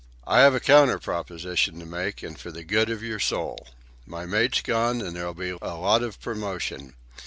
"I have a counter proposition to make, and for the good of your soul. My mate's gone, and there'll be a lot of promotion.